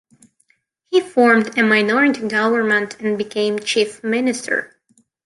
He formed a minority government and became Chief Minister.